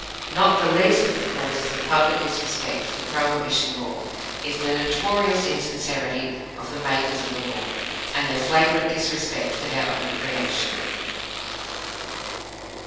Not the least of the causes of public disrespect for the Prohibition law is the notorious insincerity of the makers of the law, and their flagrant disrespect for their own creation.